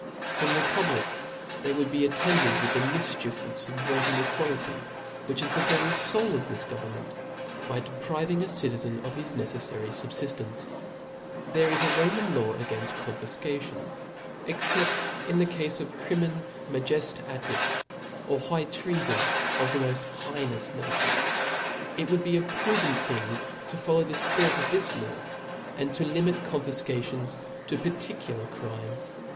In republics they wdyld be attended with the mifchief of fubverting equality, which is the very foul of this government, by depriving a citizen of his neceffary fubfiftence. C) Au There is a Roman law (^) againft confifcations, ^entica exccpt in the cafe of Crimen majeftatis^ or high trea natorum.'fon of the moft heinous nature. It would be a 9^^^f prudent thing to follow the fpirit of this law, and * to limit confifcations to particular crimes*.